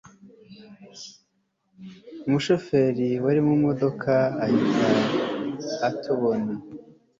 umushoferi wari mu mudoka ahita atubona